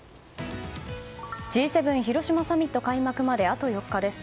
Ｇ７広島サミット開幕まであと４日です。